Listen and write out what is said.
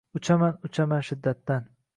Uchaman, uchaman… shiddatdan